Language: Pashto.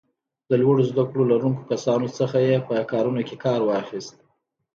د لوړو زده کړو لرونکو کسانو څخه یې په کارونو کې کار واخیست.